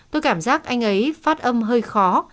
tôi cảm giác anh ấy phát âm hơi khó